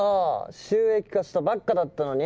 収益化したばっかだったのに！